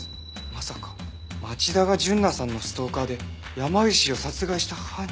まさか町田が純奈さんのストーカーで山岸を殺害した犯人？